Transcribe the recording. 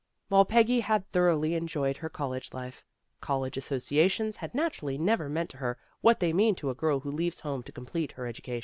While Peggy had thoroughly enjoyed her college life, college associations had naturally never meant to her what they mean to a girl who leaves home to complete her education.